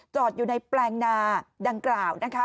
อยู่ในแปลงนาดังกล่าวนะคะ